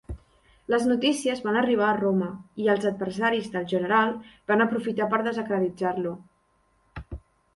Les notícies van arribar a Roma i els adversaris del general van aprofitar per desacreditar-lo.